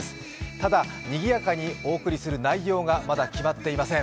ただ、にぎやかにお送りする内容がまだ決まっていません。